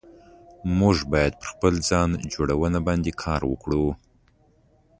موږ بايد پر خپل ځان جوړونه باندي کار وکړو